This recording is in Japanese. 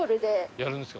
やるんですか？